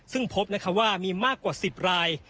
ซึ่งพบนะครับว่ามีมากกว่า๑๐ลาย